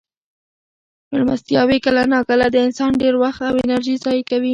مېلمستیاوې کله ناکله د انسان ډېر وخت او انرژي ضایع کوي.